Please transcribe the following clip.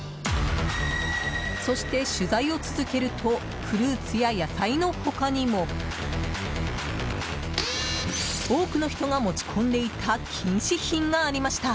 そして、取材を続けるとフルーツや野菜の他にも多くの人が持ち込んでいた禁止品がありました。